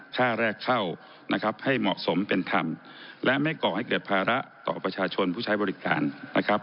ค่าแรกเข้านะครับให้เหมาะสมเป็นธรรมและไม่ก่อให้เกิดภาระต่อประชาชนผู้ใช้บริการนะครับ